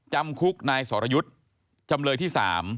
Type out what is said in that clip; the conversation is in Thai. จำคุกนายสรยุทธ์จำเลยที่๓